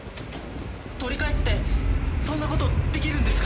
取り返すってそんな事出来るんですか！？